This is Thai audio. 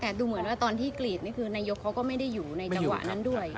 แต่ดูเหมือนว่าตอนที่กรีดนี่คือนายกเขาก็ไม่ได้อยู่ในจังหวะนั้นด้วย